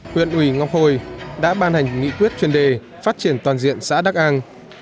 huyện ủy ngọc hồi đã ban hành nghị quyết chuyên đề phát triển toàn diện xã đắc an